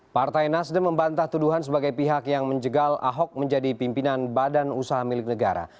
partai nasdem membantah tuduhan sebagai pihak yang menjegal ahok menjadi pimpinan badan usaha milik negara